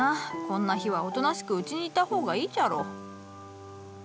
こんな日はおとなしく家に居た方がいいじゃろ。